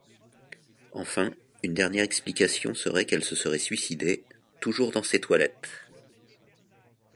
Enfin, une dernière explication serait qu'elle se serait suicidée, toujours dans ces toilettes.